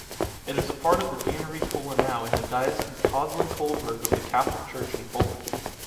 It is a part of the Deanery Polanow in the diocese Köslin-Kolberg of the Catholic Church in Poland.